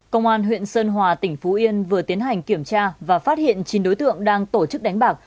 công an huyện sơn hòa tỉnh phú yên vừa tiến hành kiểm tra và phát hiện chín đối tượng đang tổ chức đánh bạc